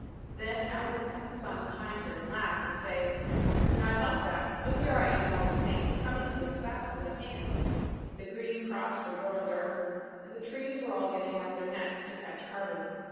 Then out would come the sun behind her, and laugh, and say "I could not help that; but here I am all the same, coming to you as fast as I can!" The green crops were growing darker, and the trees were all getting out their nets to catch carbon.